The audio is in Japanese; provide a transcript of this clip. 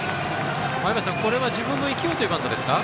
これは自分も生きようというバントですか。